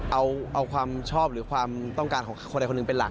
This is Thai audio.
เอาความชอบหรือความต้องการของคนใดคนหนึ่งเป็นหลัก